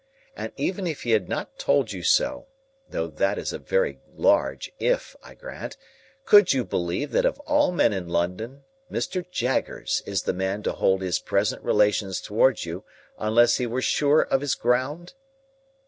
And even if he had not told you so,—though that is a very large If, I grant,—could you believe that of all men in London, Mr. Jaggers is the man to hold his present relations towards you unless he were sure of his ground?"